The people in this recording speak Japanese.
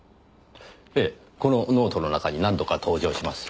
ええこのノートの中に何度か登場します。